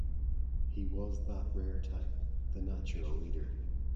He was that rare type, the natural leader.